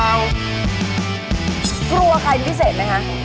กลัวใครดีพิเศษเลยฮะ